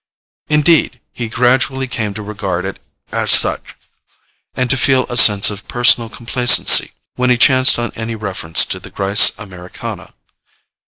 Indeed, he gradually came to regard it as such, and to feel a sense of personal complacency when he chanced on any reference to the Gryce Americana.